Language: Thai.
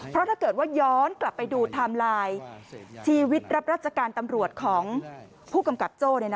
เพราะถ้าเกิดว่าย้อนกลับไปดูไทม์ไลน์ชีวิตรับราชการตำรวจของผู้กำกับโจ้